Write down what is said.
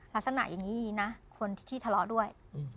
ลักษณะอย่างนี้นะคนที่ทะเลาะด้วย